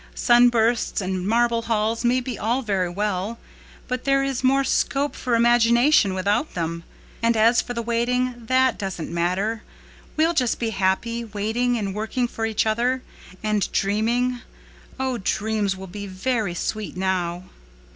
Sunbursts and marble halls may be all very well, but there is more 'scope for imagination' without them. And as for the waiting, that doesn't matter. We'll just be happy, waiting and working for each other—and dreaming. Oh, dreams will be very sweet now."